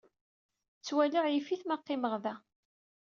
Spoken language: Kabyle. Ttwaliɣ yif-it ma qqimeɣ da.